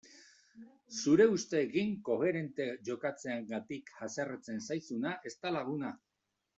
Zure usteekin koherente jokatzeagatik haserretzen zaizuna ez da laguna.